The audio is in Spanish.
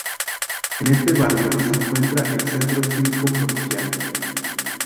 En este barrio se encuentra el Centro Cívico Provincial.